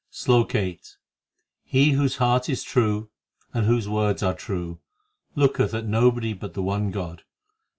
SLOK VIII He whose heart is true and whose words are true Looketh at nobody but the one God.